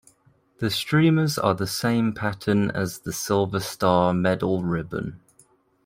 The streamers are the same pattern as the Silver Star Medal ribbon.